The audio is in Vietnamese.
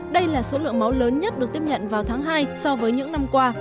đây là số lượng máu lớn nhất được tiếp nhận vào tháng hai so với những năm qua